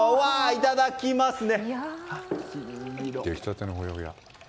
いただきますね。